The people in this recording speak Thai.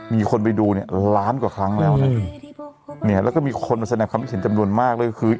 มีคนไปดูเนี่ยล้านกว่าครั้งแล้วนะเนี่ยแล้วก็มีคนมาแสดงความคิดเห็นจำนวนมากเลยก็คือ